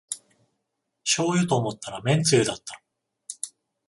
しょうゆと思ったらめんつゆだった